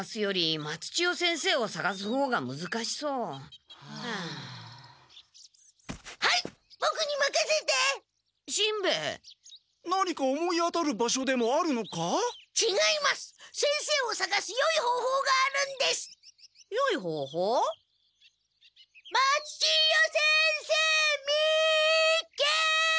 松千代先生見っけ！